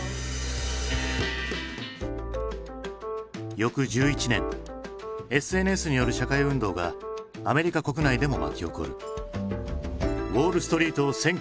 翌１１年ＳＮＳによる社会運動がアメリカ国内でも巻き起こる。